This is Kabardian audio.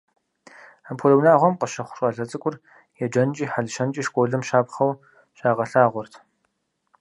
Апхуэдэ унагъуэм къыщыхъу щӀалэ цӀыкӀур еджэнкӀи хьэлщэнкӀи школым щапхъэу щагъэлъагъуэрт.